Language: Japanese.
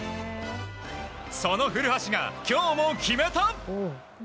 その古橋が、今日も決めた！